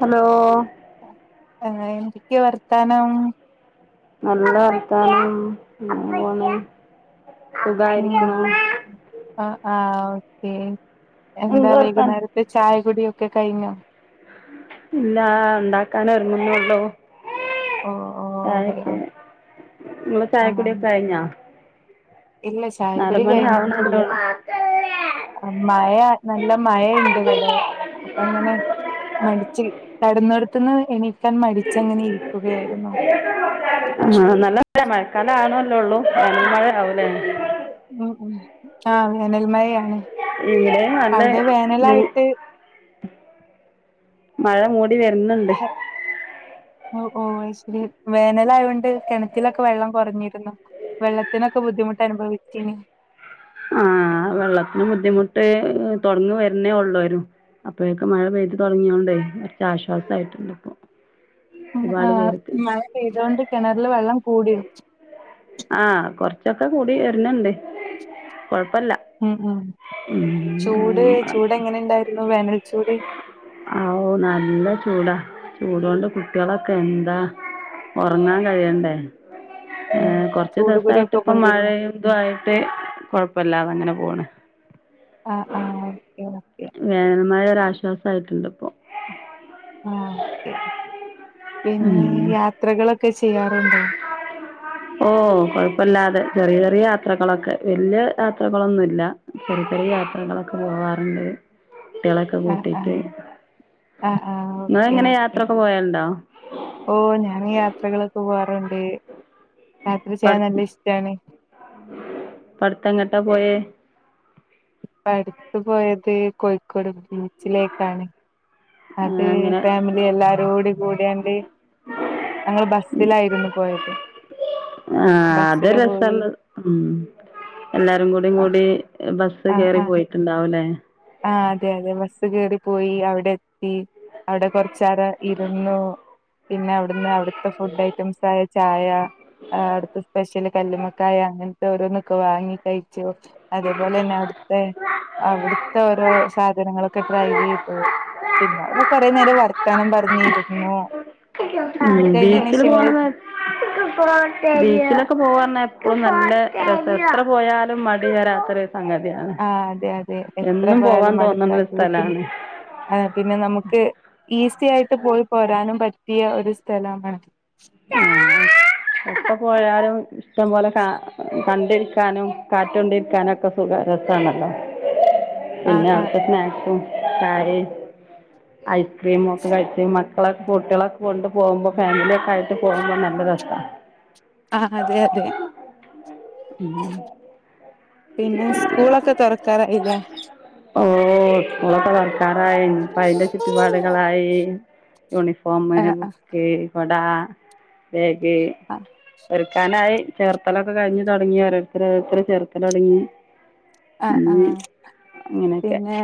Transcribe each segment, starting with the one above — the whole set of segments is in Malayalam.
ഹലോ അങ്ങനെ എന്തൊക്കെയാ വർത്താനം നല്ല വർത്താനം അങ്ങനെ പൊന്നു ഉം സുഖായിരിക്കുന്നു ആഹ് ആഹ് ഓക്കെ എന്താ എന്ത് വർത്താനം വൈകുന്നേരം ഇത് ചായ കുടി ഒക്കെ കഴിഞ്ഞോ ഇല്ല ഉണ്ടാക്കാൻ ഒരുങ്ങുന്നേള്ളൂ ഓഹ് ഓഹ് അതെയോ ചായക്കു നമ്മളെ ആഹ് ചായകുടിയൊക്കെ കഴിഞ്ഞോ ഇല്ല നാല് ചായക്കൊടി മണി കഴിഞ്ഞിട്ടില്ല ആവണല്ലോ മഴ നല്ല മഴ ഇണ്ട് ഇവിടെ അപ്പം ഇങ്ങനെ മടിച്ച് കിടന്നിടത്തുന്ന് എണീക്കാൻ മടിച്ചങ്ങനെ ഇരിക്കുകയായിരുന്നു ആഹ് നല്ല മഴ മഴക്കാലം ആവാണോല്ലോള്ളൂ വ നല്ല മഴയാവൂലേ മ് മ് ആ അങ്ങനെ വേനൽ മഴയാണ് ഇവിടേം നല്ല മീ മഴ മൂടി വരുന്നുണ്ട് ഓ ഓ അയ്ശരി വേനൽ ആയോണ്ട് കിണറ്റിലൊക്കെ വെള്ളം കുറഞ്ഞിരുന്നു വെള്ളത്തിനൊക്കെ ബുദ്ധിമുട്ട് അനുഭവിച്ചിന് ആ വെള്ളത്തിന് ബുദ്ധിമുട്ട് തുടങ്ങി വരുന്നേ ഉള്ളൂരു അപ്പോഴൊക്കെ മഴ പെയ്ത് തുടങ്ങിയോണ്ടേ കുറച്ച് ആശ്വാസം ആയിട്ടുണ്ട് ഇപ്പൊ ആ ആ മഴ പെയ്തോണ്ട് കിണറില് വെള്ളം കൂടിയോ ആ കൊറച്ചൊക്കെ കൂടി വരുന്നുണ്ട് കൊഴപ്പല്ല ഉം ഉം ചൂട് ഉം ചൂട് എങ്ങനെ ഉണ്ടായിരുന്നു വേനൽച്ചൂട് ആ ഓ നല്ല ചൂടാ ചൂട്കൊണ്ട് കുട്ടികളൊക്കെ എന്താ ഉറങ്ങാൻ കഴിയണ്ടേ ഏ ഉം കുറച്ച് ചൂടുകുരു ദിവസായിട്ട് ഒക്കെ ഇപ്പം പൊന്തിരുന്നോ മഴയും ഇതുവായിട്ട് കൊഴപ്പല്ലാതെ അങ്ങനെ പോണ് അ ആ ഓക്കെ ന്നാ വേനൽമഴ ഒരാശ്വസം ആയിട്ടുണ്ട് ഇപ്പൊ ആ ഓക്കേ പിന്നെ ഉം. യാത്രകളൊക്കെ ചെയ്യാറുണ്ടോ ഓ കൊഴപ്പല്ലാതെ ചെറിയ ചെറിയ യാത്രകളൊക്കെ വല്യ യാത്രകളൊന്നുല്ല ചെറിയ ചെറിയ യാത്രകളൊക്കെ പോകാറുണ്ട് കുട്ടികളെയൊക്കെ ആഹ് കൂട്ടിട്ട് ആഹ് ആഹ് ആഹ് നിങ്ങള് ഓക്കെ എങ്ങനെ ഓക്കെ യാത്രൊക്കെ പോയലുണ്ടോ ഓ ഞാന് യാത്രകളൊക്കെ പോവാറുണ്ട് യാത്ര ഇപ്പം ചെയ്യാൻ നല്ല ഇഷ്ടാണ് ഇപ്പം അടുത്ത് എങ്ങട്ടാ പോയെ ഇപ്പം അടുത്ത് പോയത് കോഴിക്കോട് ബീച്ചിലേക്കാണ് അത് അങ്ങനെ ഫാമി ലിഎല്ലാരോടും കൂടയാണ്ട് ഞങ്ങള് ബസ്സിലായിരുന്നു പോയത് ആ അത് ബസ്സില് പോയി രസൊള്ള മ് എല്ലാരും കൂടെ ആഹ് കൂടി ബസ് ആഹ് കേറി ആഹ് പോയിട്ടുണ്ടാവല്ലേ ആഹ് അതെ അതെ ബസ് കയറി പോയി അവിടെ എത്തി അവിടെ കൊറച്ചാര ഇരുന്നു പിന്നെ അവിടുന്ന് അവിടുത്തെ ഫുഡ് ഐറ്റംസ് ആയ ചായ ആഹ് അടുത്ത സ്പെഷ്യല് കല്ലുമുക്കായ ആങ്ങ ത്തെ ഓരോന്നൊക്കെ വാങ്ങി കഴിച്ചു അതേപോലെ തന്നെ അവിടുത്തെ അവിടു ത്തോരോ സാധനങ്ങളൊക്കെ ട്രൈ ചെയ്തു പിന്നെ അവിടെ കുറേ നേരം വർ ത്താനം പറഞ്ഞിരുന്നു ഉം പിന്നെ കഴിഞ്ഞേന് ബീച്ചില് ശേഷം ഞങ്ങള് പോണത് ബീച്ചിലൊക്കെ പോവാന്നർന്ന എപ്പോളും നല്ല രസാ എത്ര പോയാലും മടി വരാത്തൊര് സംഗതിയാണ് ആഹ് അതെ അതെ എത്ര എന്നും പോവാൻ പോയാലും തോന്നണൊരു മടുക്കാത്തത് പിന്നെ സ്ഥലാണ് ആഹ് പിന്നെ നമുക്ക് ഈസി ആയിട്ട് പോയി പോരാനും പറ്റിയ ഒരു സ്ഥലമാണ് ആഹ് എപ്പൊ പോയാലും ഇഷ്ടം പോലെ കാ കണ്ടിരിക്കാനും കാറ്റൊണ്ടിരിക്കാനും ഒക്കെ സുഖ രസാണല്ലോ ആഹ് പിന്നെ ആഹ് അവിടുത്തെ സ്നാക്സും കാരേം ഐസ്ക്രീമും ഒക്കെ കഴിച്ച് മക്കളൊക്കെ കുട്ടികളൊക്കെ കൊണ്ട് പോകുമ്പോ ഫാമിലിയൊക്കെ ആയിട്ട് ട്ട് പോകുമ്പോ നല്ല രസാ ആഹ് അതെ അതെ ഉം പിന്നെ സ്കൂളൊക്കെ തൊറക്കാറായില്ലേ ഓഹ് സ്കൂളൊക്ക തൊറ‌ ക്കാറായി ഇനിപ്പ അയിന്റെ ചുറ്റുപാടുകളായി യൂണിഫോമ് ആഹ് ആഹ് ബുക്ക് കൊടാ ബാഗ് ആഹ് ഒരുക്കാനായി ചേർത് ത്തലൊക്കെ കഴിഞ് തൊടങ്ങി ഓരോരുത്തരെ ഓരോരുത്തരെ ചേർക്കല് തോടങ്ങി ആഹ് ആഹ് പിന്നെ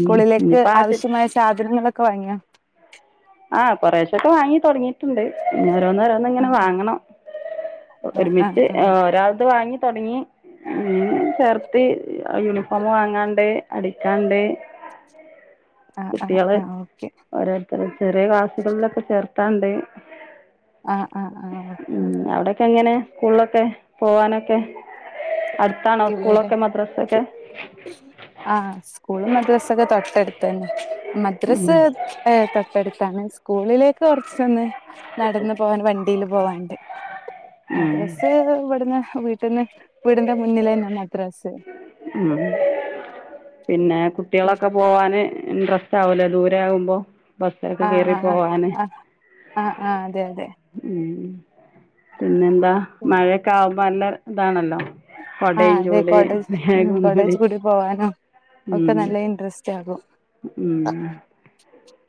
സ്കൂളിലേക്ക് ആ ആവശ്യമായ സാധനങ്ങളൊക്കെ വാങ്ങിയാ ആഹ് കൊറേശൊക്കെ വാങ്ങി തുടങ്ങിട്ടുണ്ട് ഇനി ഓരോന്നോരോന്ന് ന്നിങ്ങനെ ആഹ് വാങ്ങണം ആഹ് ആഹ് ഒരുമിച്ച് ഏഹ് ഒരാൾത് വാങ്ങി തൊടങ്ങി ഉം ചേർത്തി യൂണിഫോമ് വാങ്ങാണ്ട് അടിക്കാണ്ട് ആഹ് ആഹ് ആഹ് ഓക്കെ ഓരോരുത്തര ചെറിയ ക്ലാസുകളിലൊക്കെ ചേർത്താണ്ട് ആഹ് ആഹ് ആഹ് ഓക്കെ ഉം ഓക്കെ അവിടെക്കെങ്ങനെ സ്കൂളിലൊക്കെ പോവാനൊക്കെ അടുത്താണോ ഇവിടെ സ്കൂളൊക്കെ മദ്രസൊക്കെ ആഹ് സ്കൂളും മദ്രസൊക്കെ തൊട്ടടുത്തു തന്നെ ഉം മദ്രസ് ഏഹ് തൊട്ടടുത്താണ് സ്കൂളിലേക്ക് കൊറച്ചൊന്ന് നടന്ന് പോവാൻ വണ്ടില് പോവാന്ണ്ട് ഉം മദ്രസ് ഇവിട്ന്ന് വീട്ടിന്ന് വീടിന്റെ മുന്നിലന്നാ മദ്രസ് ഉം പിന്നെ കുട്ടികളൊക്ക പോവാന് ഇൻട്രസ്റ്റ് ആവുല്ലോ ദൂരെ ആകുമ്പോ ബസ്സിലൊക്കെ ആഹ് കേറി ആഹ് പോവാന് ആഹ് ആഹ് ആഹ് അതെ അതെ ഉം പിന്നെന്താ മഴേക്കാവുമ്പോ നല്ല ഇതാണല്ലോ ആഹ് കൊടയും അതെ ചൂടി കോടെജ് ഉം ബാഗും കൂടി കോടേചൂടി പോവാനും ഒക്കെ നല്ല ഇന്റെറസ്റ്റ് ആകും ഉം ഉം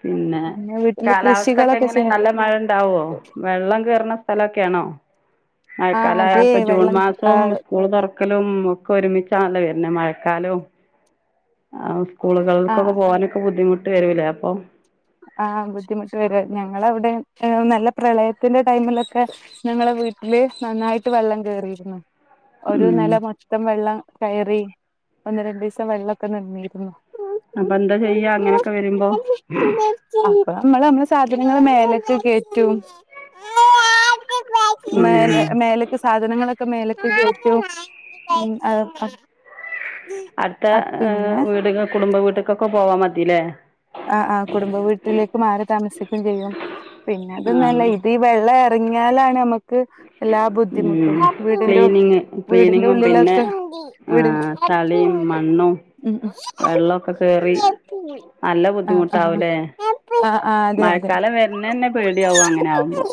പിന്നെ വീട്ടില് കാലാവസ്ഥക്കെ കൃഷികളൊക്കെ എങ്ങനെ ചെയ്യാ നല്ല മഴ ഇണ്ടാവോ വെള്ളം കേറണ സ്ഥലൊക്കെയാണോ ആഹ് മഴക്കാലായ അതെ ഇപ്പൊ ജൂൺ വെള്ളം മാസോം ആഹ് സ്കൂള് തൊറക്കലും ഒക്കെ ഒരുമിച്ചാന്നല്ലോ വരുന്നെ മഴക്കാലോം ആഹ് സ്കൂളുകൾക്കൊക്കെ ആഹ് പോവാനൊക്കെ ബുദ്ധിമുട്ട് വരൂല്ലേ അപ്പൊ ആഹ് ബുദ്ധിമുട്ട് വരും ഞങ്ങള് അവിടെ ഏഹ് നല്ല പ്രളയത്തിന്റെ ടൈമിലൊക്കെ ഞങ്ങളെ വീട്ടില് നന്നായിട്ട് വെള്ളം കേറിയിരുന്നു. ഒരു ഉം നെല മൊത്തം വെള്ളം കയറി ഒന്ന് രണ്ടീസം വെള്ളൊക്കെ നിന്നിരുന്നു. അപ്പെന്താ ചെയ്യാ അങ്ങനെക്കെ വരുമ്പോ? അപ്പ നമ്മള് നമ്മളെ സാധനങ്ങള് മേലേക്ക് കേറ്റും. ഉം മേലെ മേലേ ക്ക് സാധനങ്ങളൊക്കെ മേലെക്ക് കേറ്റും. അത് [unintelligible] അടുത്ത അ ഏഹ് പിന്നെ വീട്ക കുടുംബ വീട്ട്ക്കൊക്ക പോവാൻ മതില്ലേ. ആഹ് ആഹ് കുടുംബ വീട്ടിലേക്ക് മാറി താമസിക്കും ചെയ്യും. പിന്നെ അതൊന്നല്ല ആഹ് ഇതീ വെള്ള എറങ്ങിയാലാണ് നമ ക്ക് എല്ലാ ബുദ്ധിമുട്ടും ഉം വീടിന്റെ ക്ലീനിങ് വീടിന്റെ ക്ലീനിങ്ങും പിന്നെ ഉള്ളിലൊക്കെ വീട് ആഹ് ചളിയും മണ്ണും ഉം ഉം. വെള്ളൊക്കെ കേറി നല്ല ആഹ് ആഹ് ബുദ്ധിമുട്ടാവുലേ. ആഹ് ആഹ് അതെ അതെ മഴക്കാലം വര്ന്നന്നെ പേടിയാവും അങ്ങനാവുമ്പോ.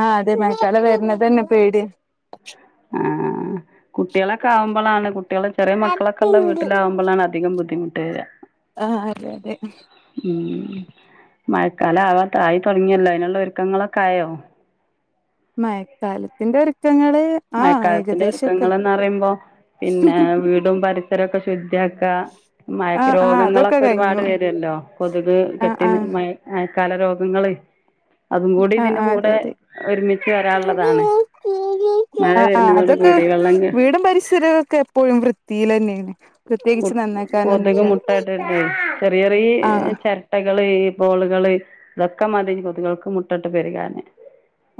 ആഹ് അതെ മഴക്കാലം വര്നെതന്നെ പേടിയാ. ആഹ്. കുട്ട്യേളൊക്കെ ആകുമ്പോളാണ് കുട്ട്യേള് ചെറിയ മക്കളൊക്കെ ഉള്ള വീട്ടിലാവു മ്പളാണ് അധികം ബദ്ധിമുട്ട് വെരാ. ആഹ് അതെ അതെ. ഉം. മഴക്കാലം ആവാ തായി തൊടങ്ങിയല്ലോ അയിനുള്ള ഒരുക്കങ്ങളൊക്കെ ആയോ? മഴക്കാലത്തിന്റെ ഒരുക്കങ്ങള് ആഹ് മഴക്കാലത്തിന്റെ ഏകദേശൊക്കെ ഒരുക്കങ്ങളെന്ന് പറയുമ്പം പിന്നെ വീടും പരിസരൊക്കെ ശുദ്ധിയാക്കാ. മഴക് ആഹ് ആഹ് അതൊക്കെ രോഗങ്ങളൊക്കെ ഒരുപാട് കഴിഞ്ഞു വരൊല്ലോ കൊതുക് ആഹ് കെട്ടി ന്ന് ആഹ് മഴ മഴക്കാല രോഗങ്ങള്. അതും കൂടി ആഹ് ഇതിന്റെ ആഹ് അതെ കൂടെ അതെ ഒരുമിച്ച് വരാൻള്ളതാണ്. ആഹ് ആഹ്. അതൊക്കെ വെള്ളം വീടും പരിസരവൊക്കെ എപ്പോഴും വൃത്തിയിലെന്നേണ്. കൊ കൊതുക് മുട്ട ഇട്ടിട്ടേ ചെറിയ ചെറീ ആഹ് ചെര് ട്ടകള് ഈ ബോളുകള് ഇതൊക്കെ മതി കൊതുകൾക്ക് മുട്ട ഇട്ട് പെരുകാന്.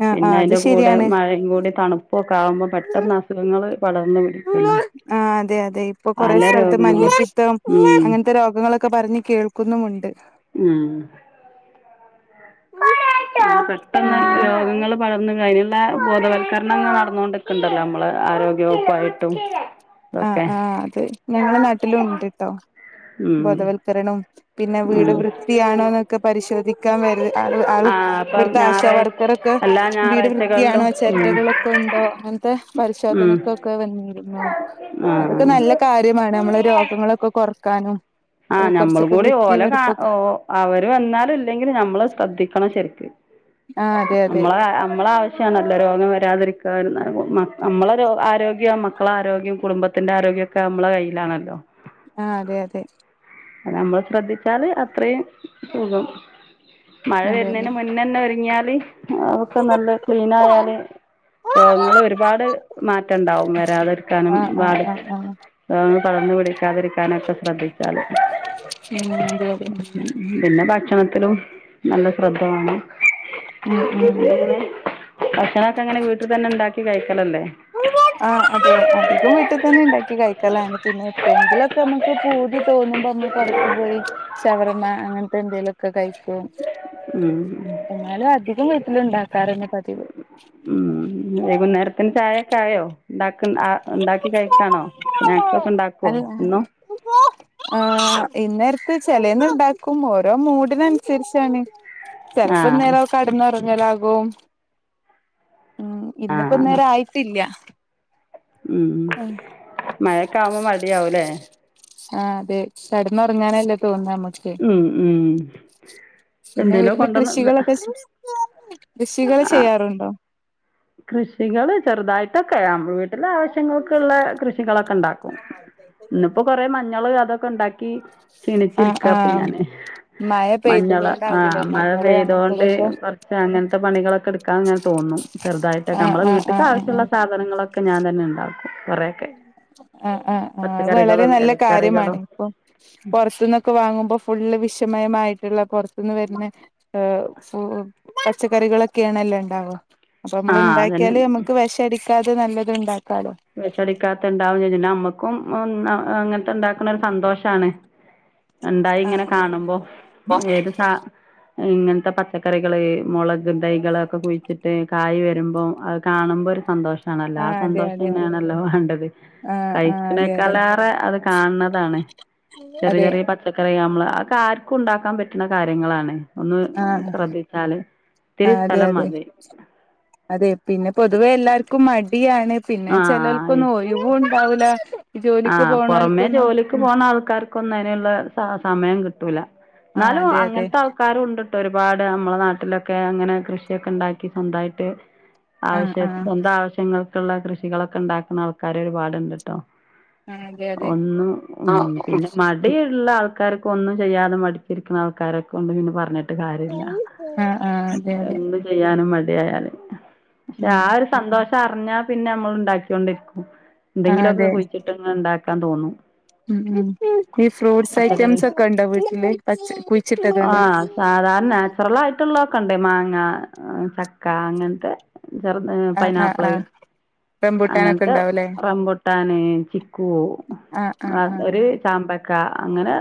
ആഹ് പിന്നെ ആഹ് അത് അയിന്റെ കൂടെ ശരിയാണ് മഴയും കൂടി തണുപ്പൊക്കെ ആവുമ്പം പെട്ടെന്ന് അസുഖങ്ങൾ പടർന്ന് പിടിക്കൊല്ലോ. ആഹ് അതെ അതെ. ഇപ്പൊ കൊറെ സ്ഥലത്ത് രോഗങ്ങളും മഞ്ഞപ്പിത്തം ഉം അങ്ങൻ ത്ത രോഗങ്ങളൊക്കെ പറഞ്ഞ് കേൾക്കുന്നുമുണ്ട്. ആഹ്. [inaudible] പെട്ടെന്ന് പിന്നെ രോഗങ്ങളും വളർന്ന് ങ്ങ അയ്നുള്ള ബോധവൽക്കരണം ഇങ്ങ നടന്നോണ്ട്ക്ക്ണ്ടല്ലോ നമ്മള് ആരോഗ്യവകുപ്പായിട്ടും ആഹ് ആഹ് അത് ഞങ്ങളെ നാട്ടിലും ഉണ്ട്ട്ടോ. ഉം ബോധവൽക്കരണും പിന്നെ വീട് ഉം വൃത്തിയാണോ ന്നൊ ക്കെ പരിശോധിക്കാൻ വര് ആൾ ആൾ ആ അപ്പം ഇവട്ത്തെ ഞായറാഴ് ആശാവർക്കറൊക്കെ എല്ലാ വീട് ഞായറാഴ്ചകളിലും വൃത്തിയാണോ ഉം ചെരറ്റകളൊക്കെ ഇണ്ടോ അങ്ങനത്തെ ഉം പരിശോധനക്കൊക്കെ വന്നിരുന്നു. ആ അതൊക്കെ നല്ല കാര്യമാണ് നമ്മളെ രോഗങ്ങളൊക്കെ കൊർക്കാനും. ആഹ് ഞമ്മളും കൂടി ഓല കാ ഓ അവര് വന്നാലും ഇല്ലെങ്കിലും നമ്മള് ശ്രദ്ധിക്കണം ശരിക്ക്. ആ അതെ അതെ നമ്മളെ കാ നമ്മളാവ ശ്യാണല്ലോ രോഗം വരാതിരിക്കാൻ ന്ന്. മ നമ്മളെ രോ ആരോഗ്യം മക്കളെ ആരോഗ്യം കുടുംബത്തിന്റെ ആരോഗ്യൊ ക്കെ നമ്മളെ കയ്യിലാണല്ലോ. ആഹ് അതെ അതെ. അത് നമ്മള് ശ്രദ്ധിച്ചാല് അത്രയും സുഖം. മഴ അതെ അതെ വര്നേന് മു ന്നെന്നെ ഒരുങ്ങിയാല് അതൊക്കെ നല്ല ക്ലീൻ ആയാല്, രോഗങ്ങള് ഒരുപാട് മാറ്റംണ്ടാവും വരാതെര്ക്കാനും ആ ആ പാട് ആ ആ രോഗങ്ങള് പടർന്നു പിടിക്കാതിരിക്കാനൊക്കെ ശ്രദ്ധിക്കാലൊ ഉം അതെ അതെ പിന്നെ ഭക്ഷണത്തിലും നല്ല ശ്രദ്ധ വേണം ഉം ഉം ഭക്ഷണൊക്കെ എങ്ങനെ വീട്ടി തന്നെ ഒണ്ടാക്കി കഴിക്കലല്ലേ ആഹ് അതെ അധികം വീട്ടി തന്നെ ഒണ്ടാക്കി കഴിക്കലാണ് പിന്നെ എപ്പോഴെങ്കിലൊക്കെ നമുക്ക്- ഇപ്പൊ പൂതി തോന്നുമ്പോ നമ്മള് പൊറത്ത് പോയി ഷവർമ്മ അങ്ങനത്തെ എന്തെലും - ഒക്കെ കഴിക്കും ഉം എന്നാലും അധികം വീട്ടിലുണ്ടാക്കാറ് തന്നെ പതിവ് ഉം വൈകുന്നേരത്തിന് ചായയൊക്കെ ആയോ ഇണ്ടാക്ക ഉണ്ടാക്കി കഴിക്കാണോ സ്നാക്സ് ഒക്കെ ഒണ്ടാ- അല്ല [unintelligible] ആഹ് വൈന്നെരത്ത് ചെലേന്നുണ്ടാക്കും ഓരോ മൂഡിനനുസരിച്ചാണ് ആ ചെലപ്പം അന്നേരം കെടന്ന് ഒറങ്ങലാകും ഉം ആ ഇന്നപ്പോ ഇന്നേരം ആയിട്ടില്ല ഉം മഴക്കാവുമ്പോ മടിയാവും ഇല്ലേ ആഹ് അതെ കെടന്നുറങ്ങാനല്ലേ തോന്ന്ക നമക്ക് ഉം ഉം പിന്നെ എന്തേലും വീട്ടില് കൊണ്ടുവന്ന് കൃഷികളൊക്കെ - കൃഷികള് ആ ചെയ്യാറുണ്ടോ കൃഷികള് ചെറുതായിട്ടൊക്കെ വീട്ടിലെ ആവശ്യങ്ങൾക്ക് ഉള്ളെ കൃഷികളൊക്കെ ഒണ്ടാക്കും ഇന്നിപ്പോ കൊറെ മഞ്ഞള് അതൊക്കെ ഉണ്ടാക്കി ആഹ് ക്ഷീണിച്ചിരിക്ക ഇപ്പൊ ആഹ് ഞാന് മഴ പെയ്തത് മഞ്ഞള് കൊണ്ടാവൂലേ ആഹ് മഴ മഞ്ഞള് പെയ്തൊണ്ട് അങ്ങനത്തതൊക്കെ - പക്ഷ അങ്ങനത്തെ പണികൊക്കെ എടുക്കാന് ഇങ്ങനെ തോന്നും ചെറുതായിട്ട് ഒക്കെ ആഹ് നമ്മടെ ആഹ് വീട്ടക്ക് ആഹ് ആഹ് ആവശ്യുള്ള സാധന - സാധനങ്ങളൊക്കെ ഞാൻ തന്നെ ഒണ്ടാക്കുവ ആഹ് ആഹ് ആഹ് അത് വളരെ പച്ചക്കറികളും നല്ല കാര്യമാണ് എലക്കറികളും ഇപ്പൊ പൊറത്തുന്നൊക്കെ വാങ്ങുമ്പോ ഫുള്ള് വിഷ മയമായിട്ടുള്ള പൊറത്തുന്ന് വരുന്നെ - പച്ചക്കറികളൊക്കെ ആണല്ലോ ഉണ്ടാവുക അപ്പൊ നമ്മള് ആഹ് അതന്നെ ഉണ്ടാക്കിയാല് നമുക്ക് - ക്ക് വിഷടിക്കാതെ നല്ലത് ഉണ്ടാക്കാലോ വിഷടിക്കാത്ത ഉണ്ടാവന്ന് [unintelligible] നമ്മുക്കും അങ്ങനത്തെ ഇണ്ടാക്കുന്ന ഒരു സന്തോഷമാണ് [inaudible] ഇണ്ടായി ഇങ്ങനെ ആഹ് കാണുമ്പോ ഏത് സ- ഇങ്ങനത്തെ പച്ചക്കറികള് മൊളക് തൈകളൊക്കെ കുഴിച്ചിട്ട് കായ് വരുമ്പോൾ അത് കാണുമ്പോൾ ഒരു സന്തോഷം- ആണല്ലോ ആ അതെ സന്തോഷം - അതെ എന്നന്നെയണല്ലോ വേണ്ടത് ആഹ് അതെ അതെ ആഹ് ആഹ് അതെ കഴിക്കണെക്കാൾ അതെ ഏറെ അത് കാണണതാണ് ചെറിയ അതെ ചെറിയ പച്ചക്കറി നമ്മള് അതൊക്കെ ആർക്കും ഉണ്ടാക്കാൻ പറ്റുന്ന കാര്യങ്ങളാണ് ഒന്ന് ആഹ് ശ്രദ്ധിച്ചാല് ഇത്തിരി അതെ സ്ഥലം അതെ മതി അതെ പിന്നെ പൊതുവെ എല്ലാർക്കും മടിയാണ് പിന്നെ ആ ചെലവർക്കൊന്നും ഒ - ഇൺ പകല [unintelligible] ആഹാ പൊറമേ ജോലിക്ക് പോണ ആൾക്കാർക്ക് ഒന്നിനും ഒള്ളെ സമയം കിട്ടൂല ആ എന്നാലും അതെ അതെ അങ്ങനത്തെ അവസ്ഥ- ക്കാരും ഉണ്ട് ട്ടോ ഒരുപാട് നമ്മളെ നാട്ടിലൊക്കെ അങ്ങനെ കൃഷിയൊക്കെ ഇണ്ടാക്കി സ്വന്തമായിട്ട് - ആ ആവശ്യ ആ സ്വന്തം ആവശ്യങ്ങൾക്കുള്ള കൃഷികളൊക്കെ ഉണ്ടാക്കുന്ന ആൾക്കാര് ഒരുപാടുണ്ട് ഇണ്ട് ട്ടോ ആ അതെ അതെ [unintelligible] ഒന്നും ആ ഉം പിന്നെ - ഒത്തിരി ഉള്ള ആൾക്കാർക്കൊന്നും ഒന്നും ചെയ്യാതെ മടിച്ചിരിക്കുന്ന ആൾക്കാരെ കൊണ്ട് പിന്നെ - പറഞ്ഞിട്ട് പറഞ്ഞിട്ട് കാര്യം ഇല്ല ആ അതെ അതെ എന്ത് ചെയ്യാനും മടിയായല് പക്ഷെ ഉം ആ ഒരു - സന്തോഷം അറിഞ്ഞാൽ പിന്നെ നമ്മൾ ഉണ്ടാക്കൊണ്ടിരിക്കും ആ എന്തെങ്കിലുമൊക്കെ അതെ കുഴിച്ചിട്ട് ഉണ്ടാക്കാൻ തോന്നും ഉം ഈ ഫ്രൂട്ട്സ് പച്ചക്കറി ഐറ്റംസ് ഒക്കെ ഉണ്ടോ വീട്ടില് പച്ച കുഴിച്ചിട്ടതുണ്ടോ ആഹ് സാധാരണ നാച്ചുറൽ ആയിട്ടുള്ളതൊക്കെ ഉണ്ടേ മാങ്ങ ചക്ക അങ്ങനത്തെ ചെറത് ആ ആ പൈനാപ്പിള് ആ റംബൂട്ടാനൊക്കെ അങ്ങനത്തെ ഉണ്ടാവൂല്ലേ റംബുട്ടാൻ കൂ ആ ആ ആ ഒരു ചാമ്പക്ക അങ്ങനെ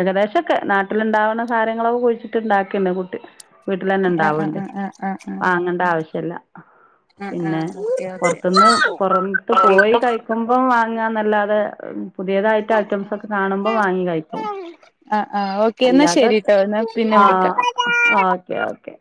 ഏകദേശൊക്കെ നാട്ടിലുണ്ടാവുന്ന കാര്യങ്ങളൊക്കെ കുഴിച്ച മുട്ട ഇണ്ടാക്കിണ്ട് കുട്ടി വീട്ടിൽ തന്നെ ആ ആ ആ ഉണ്ടാവ്ണ്ട് ആ ആ ആ വാങ്ങേണ്ട ആവശ്യല്ല ആ ആ പിന്നെ ഓക്കെ പുറത്തുന്ന് ഓക്കെ പുറത്ത് പോയി കഴ വാങ്ങാ നല്ലാതെ പുതിയതായിട്ട് ഐറ്റംസ് ഒക്കെ കാണുമ്പോ വാങ്ങി കഴിക്കും ആഹ് ആഹ് ഓക്കെ എന്നാൽ അല്ലാതെ ശരിട്ടോ എന്നാൽ പിന്നെ ആ വിളിക്കാം ഓക്കെ ഓക്കെ